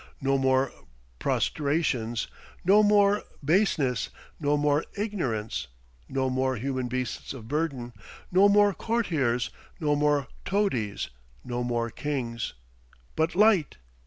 No more prostration; no more baseness; no more ignorance; no more human beasts of burden; no more courtiers; no more toadies; no more kings; but Light!